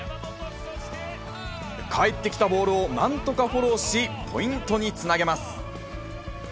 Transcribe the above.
返ってきたボールをなんとかフォローし、ポイントにつなげます。